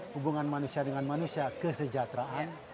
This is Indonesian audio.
hubungan manusia dengan manusia kesejahteraan